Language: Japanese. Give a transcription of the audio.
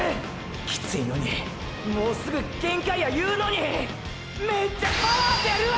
キツイのにもうすぐ限界やいうのにめっちゃパワーでるわ！！